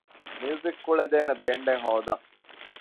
މިއުޒިކް ކުޅޭދޭނެ ބޭންޑެއް ހޯދަން